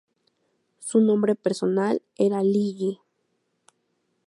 Su nombre personal era Li Yi.